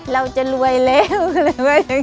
เราจะรวยได้เร็ว